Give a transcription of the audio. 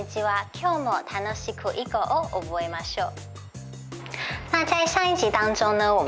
今日も楽しく囲碁を覚えましょう。